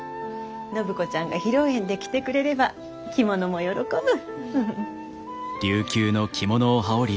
暢子ちゃんが披露宴で着てくれれば着物も喜ぶ。